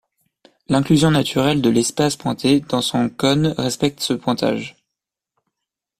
L'inclusion naturelle de l'espace pointé dans son cône respecte ce pointage.